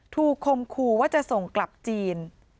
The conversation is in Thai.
คมคู่ว่าจะส่งกลับจีน